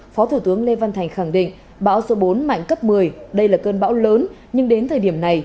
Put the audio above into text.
phó thủ tướng lê văn thành khẳng định bão số bốn mạnh cấp một mươi đây là cơn bão lớn nhưng đến thời điểm này